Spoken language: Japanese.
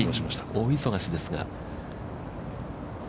大忙しです。